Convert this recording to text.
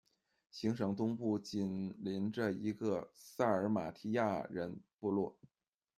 行省东部紧邻着一个萨尔马提亚人部落。